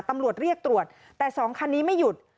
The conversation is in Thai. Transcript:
ตำรวจเรียกตรวจแต่๒คันนี้ไม่หยุด